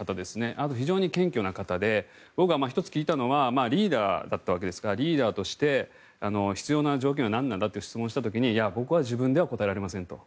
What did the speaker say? あと非常に謙虚な方で僕が１つ聞いたのはリーダーだったわけですからリーダーとして必要な条件は何なんだという質問をした時に僕は答えられませんと。